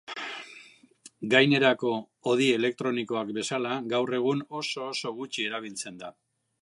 Gainerako hodi elektronikoak bezala, gaur egun oso-oso gutxi erabiltzen da.